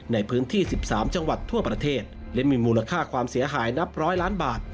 ในพื้นที่๑๓จังหวัดทั่วประเทศและมีมูลค่าความเสียหายนับร้อยล้านบาท